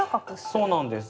そうなんです。